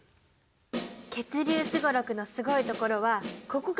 「血流すごろく」のすごいところはここからなんだよ！